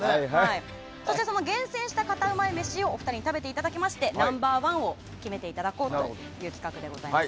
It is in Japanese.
そして厳選したカタうまい飯をお二人に食べていただきましてナンバー１を決めていただこうという企画でございます。